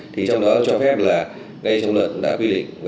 thì trong đó cho phép là ngay trong luật đã quy định